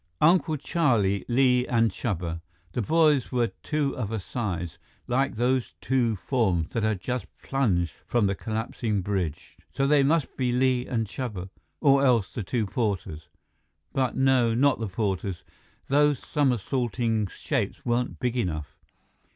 Uncle Charlie, Li, and Chuba. The boys were two of a size, like those two forms that had just plunged from the collapsing bridge. So they must be Li and Chuba or else the two porters. But no, not the porters; those somersaulting shapes weren't big enough.